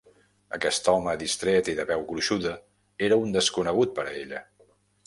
Aquest home distret i de veu gruixuda era un desconegut per a ella.